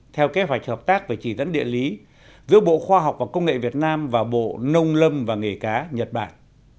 theo kế hoạch hợp tác về chỉ dẫn địa lý giữa bộ khoa học và công nghệ việt nam và bộ nông lâm và nghề cá nhật bản